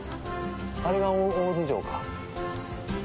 あれが大洲城か。